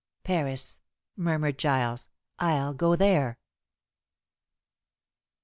"Paris," murmured Giles, "I'll go there."